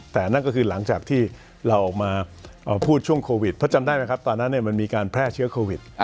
แต่นั่นก็คือหลังจากที่เราออกมาพูดช่วงโควิดเพราะจำได้ไหมครับตอนนั้นมันมีการแพร่เชื้อโควิด